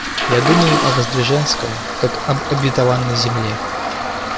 Я думаю о Воздвиженском, как об обетованной земле.